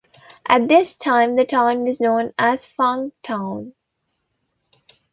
At this time the town was known as "Funkstown".